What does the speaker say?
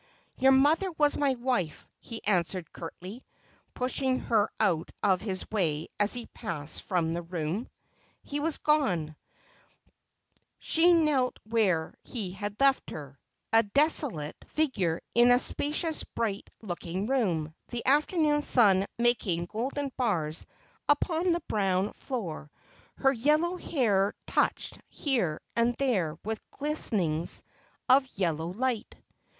' Your mother was my wife,' he answered curtly, pushing her out of his way as he passed from the room. He was gone. She knelt where he had left her, a desolate 'Is there no Grace ? is there no Remedie f 363 figure in the spacious bright looking room, the afternoon sun making golden bars upon the brown floor, her yellow hair touched here and there with glintings of yellow light.